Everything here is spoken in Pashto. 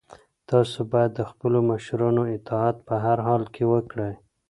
تاسو باید د خپلو مشرانو اطاعت په هر حال کې وکړئ.